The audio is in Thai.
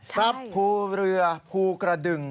ครับภูเรือภูกระดึง